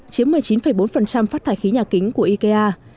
chiếm một mươi chín bốn phát thải khí nhà kính của ikea